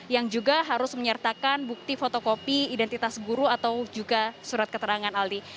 yang juga harus menyertakan bukti fotokopi identitas guru atau juga surat keterangan aldi